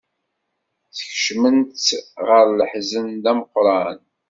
Skecmen-tt ɣer leḥzen d ameqran.